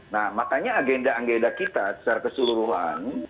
nah makanya agenda agenda kita secara keseluruhan